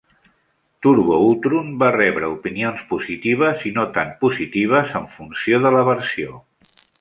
"Turbo Outrun" va rebre opinions positives i no tan positives en funció de la versió.